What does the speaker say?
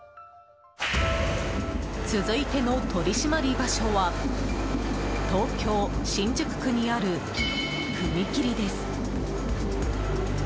続いての取り締まり場所は東京・新宿区にある踏切です。